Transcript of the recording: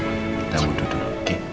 kita undur dulu oke